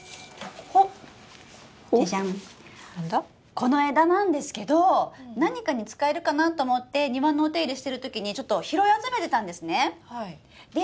この枝なんですけど何かに使えるかなと思って庭のお手入れしてる時にちょっと拾い集めてたんですね。